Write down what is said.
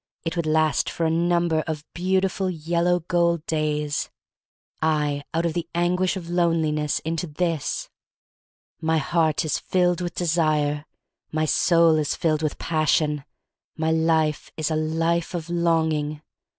It would last for a number of beautiful yellow gold days. I — out of the anguish of loneliness into this! My heart is filled with desire. My soul is filled with passion. My life is a life of longing.